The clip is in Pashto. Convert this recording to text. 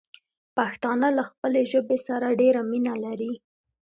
پښتانه له خپلې ژبې سره ډېره مينه لري.